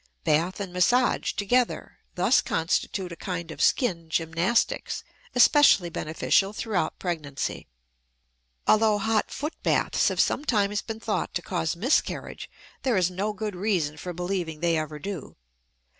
Bath and massage together thus constitute a kind of skin gymnastics especially beneficial throughout pregnancy. Although hot foot baths have sometimes been thought to cause miscarriage, there is no good reason for believing they ever do.